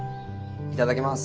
いただきます。